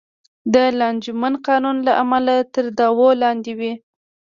د لانجمن قانون له امله تر دعوو لاندې وې.